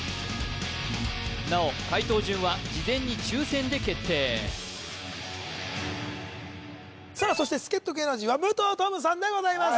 なお解答順は事前に抽選で決定さあそして助っ人芸能人は武藤十夢さんでございます